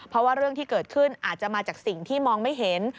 เพราะว่าเรื่องที่เกิดขึ้นอาจจะมาจากสิ่งที่มองไม่เห็น